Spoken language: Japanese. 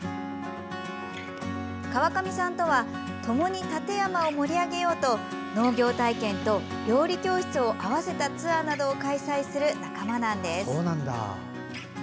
川上さんとはともに館山を盛り上げようと農業体験と料理教室を合わせたツアーなどを開催する仲間なんです。